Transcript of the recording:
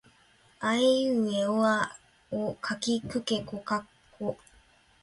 あえいうえおあおかけきくけこかこ